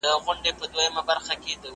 نه « هینداره » چي مو شپې کړو ورته سپیني .